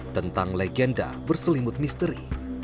tentang legenda berselimut misteri